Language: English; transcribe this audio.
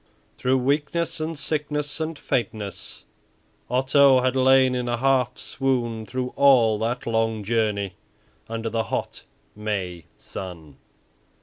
Through weakness and sickness and faintness, Otto had lain in a half swoon through all that long journey under the hot May sun.